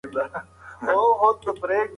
زده کړه له هرې ماتې وروسته کېږي.